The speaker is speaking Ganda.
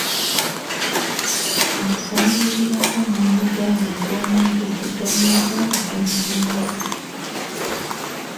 Ensoga eviirako omuwendo gw'abantu omungi okujja mu Uganda tennamanyibwa.